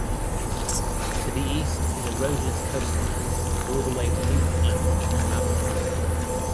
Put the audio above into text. To the east is a roadless coastline all the way to Newfoundland and Labrador.